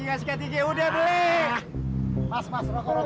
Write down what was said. berada tidak beberapa